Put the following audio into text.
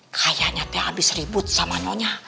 kayaknya teh abis ribut sama nyonya